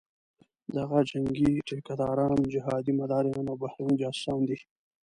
دغه جنګي ټیکه داران، جهادي مداریان او بهرني جاسوسان دي.